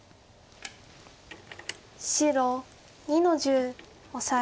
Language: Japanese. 白２の十オサエ。